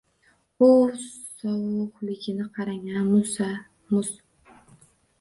— Vuy, sovuhligini qarang-a! Muz-a, muz!